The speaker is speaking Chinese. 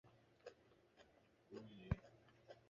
毕业于北京大学西方语言文学系。